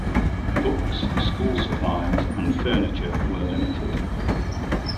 Books, school supplies, and furniture were limited.